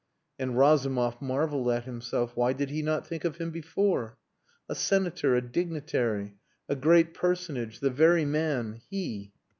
And Razumov marvelled at himself. Why did he not think of him before! "A senator, a dignitary, a great personage, the very man He!"